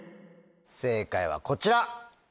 正解はこちら！